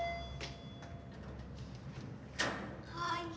はい。